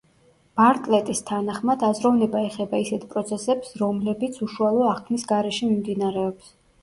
ბარტლეტის თანახმად, აზროვნება ეხება ისეთ პროცესებს, რომლებიც უშუალო აღქმის გარეშე მიმდინარეობს.